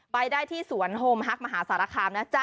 ไปได้ที่สวนโฮมฮักมหาสารคามนะจ๊